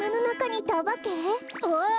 ああ！